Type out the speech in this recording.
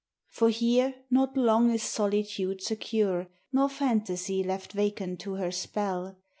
19 For here not long is solitude secure, Nor Fantasy left vacant to her spell.